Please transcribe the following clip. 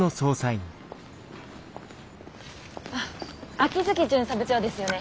秋月巡査部長ですよね。